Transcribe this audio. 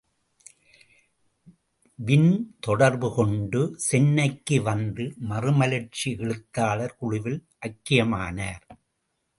Win தொடர்பு கொண்டு, சென்னைக்கு வந்து மறுமலர்ச்சி எழுத்தாளர் குழுவில் ஐக்கியமானார்.